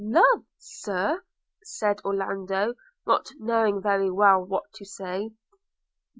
'Love, Sir!' said Orlando, not knowing very well what to say.